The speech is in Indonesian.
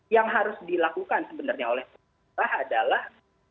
yang harus dilakukan sebenarnya oleh pemerintah adalah